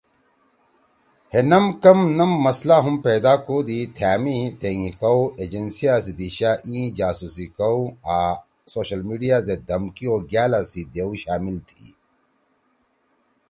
ہے نم کم نم مسئلہ ہُم پیدا کودی تھأ می تینگی کؤ، ایجنسیا سی دیشا ایِں جاسوسی کؤ آں سوشل میڈیا زید دھمکی او گألا سی دیؤ شامل تھی۔